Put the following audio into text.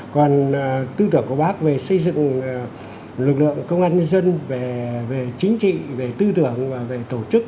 còn tư tưởng của bác về xây dựng lực lượng công an nhân dân về chính trị về tư tưởng và về tổ chức